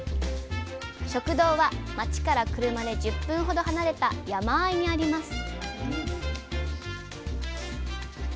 食堂は街から車で１０分ほど離れた山あいにあります